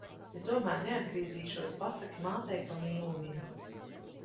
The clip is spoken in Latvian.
Ja tomēr neatgriezīšos, pasaki mātei, ka mīlu viņu.